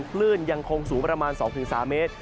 คลื่นยังคงสูงประมาณ๒๓เมตร